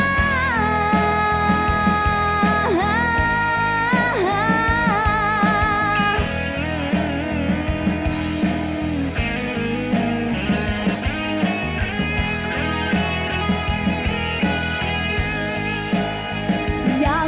ไม่ต้องการ